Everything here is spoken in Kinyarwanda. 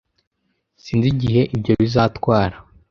Sinzi igihe ibyo bizatwara.